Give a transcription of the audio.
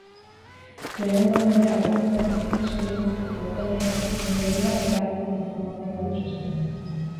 Lehenengo agentea agertu zenetik espediente zigortzailea ezartzeko ondorioa atera arteko informazioa du txostenak.